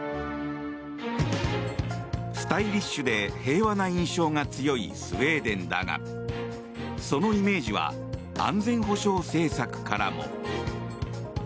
スタイリッシュで平和な印象が強いスウェーデンだがそのイメージは安全保障政策からも。